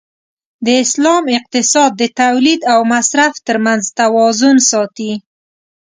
د اسلام اقتصاد د تولید او مصرف تر منځ توازن ساتي.